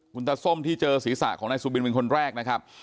คุณตาส้มที่เจอศีรษะของนายสุบินเป็นคนแรกนะครับ